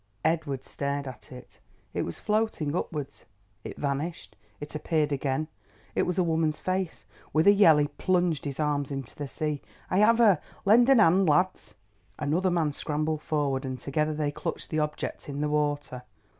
Edward stared at it. It was floating upwards. It vanished—it appeared again. It was a woman's face. With a yell he plunged his arms into the sea. "I have her—lend an hand, lads." Another man scrambled forward and together they clutched the object in the water.